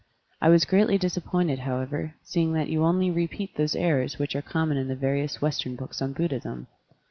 I was greatly disappointed, how ever, seeing that you only repeat those errors which are common in the various Western books on Buddhism.